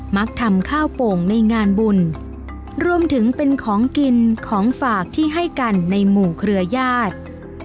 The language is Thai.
มักทำข้าวโป่งในงานบุญรวมถึงเป็นของกินของฝากที่ให้กันในหมู่เครือญาติ